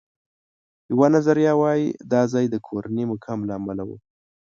یوه نظریه وایي دا ځای د کورني مقام له امله و.